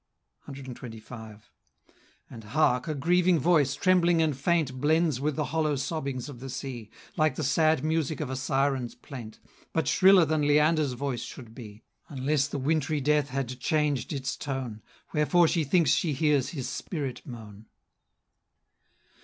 CXXV. And hark! a grieving voice, trembling and faint, Blends with the hollow sobbings of the sea; Like the sad music of a siren's plaint, But shriller than Leander's voice should be, Unless the wintry death had changed its tone, Wherefore she thinks she hears his spirit moan.